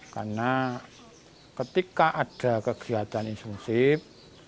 karena ketika ada kegiatan insumsif